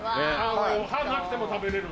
歯なくても食べられる。